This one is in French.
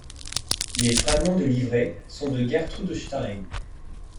Les fragments de livrets sont de Gertrude Stein.